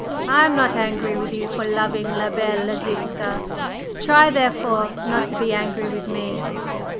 I am not angry with you for loving la belle Ziska, try, therefore, not to be angry with me.